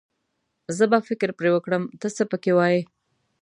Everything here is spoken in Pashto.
زه به فکر پرې وکړم، ته څه پکې وايې.